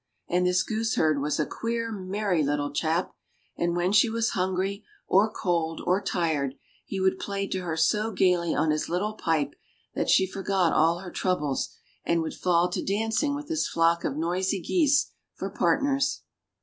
And this goose herd was a queer, merry, little chap and, when she was hungry, or cold, or tired, he would play to her so gaily on his little pipe, that she forgot all her troubles, and would fall to dancing with his flock of noisy geese for partners.